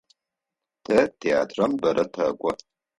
Тэ театрэм бэрэ тэкӏо.